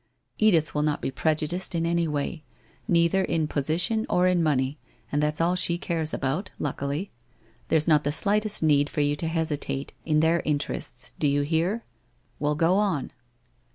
Edith will not be prejudiced in any way — neither in position or in money, and that's all she cares about, luckily. There's not the slightest need for you to hesitate, in their interests, do you hear? Well, go on